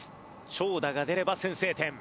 長打が出れば先制点。